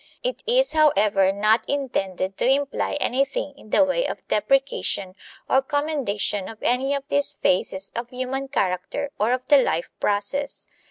It is, however, not intended to imply anything in the way of deprecation or commendation of any one of these phases of human character or of the life process.